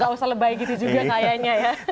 gak usah lebay gitu juga kayaknya ya